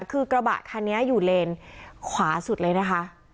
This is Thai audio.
คือกระบะคันนี้อยู่เลนขวาสุดเลยนะคะ